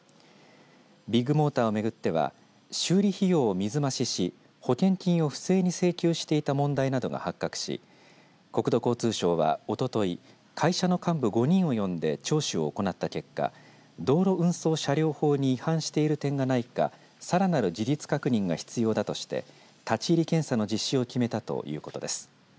ビッグモーターを巡っては修理費用を水増しし保険金を不正に請求していた問題などが発覚し国土交通省はおととい会社の幹部５人を呼んで聴取を行った結果道路運送車両法に違反している点がないかさらなる事実確認が必要だとして立ち入り検査の実施を決めたということです。